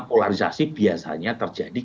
polarisasi biasanya terjadi